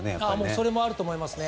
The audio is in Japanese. それもあると思いますね。